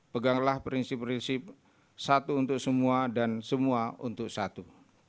peganglah prinsip prinsip satu untuk semua dan semua untuk satu